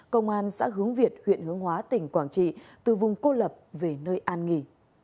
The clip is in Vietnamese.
công an xã hướng việt huyện hướng hóa tỉnh quảng trị từ vùng cô lập về nơi an nghỉ